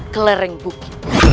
ke lereng buki